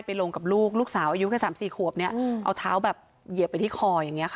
ลงกับลูกลูกสาวอายุแค่๓๔ขวบเนี่ยเอาเท้าแบบเหยียบไปที่คออย่างนี้ค่ะ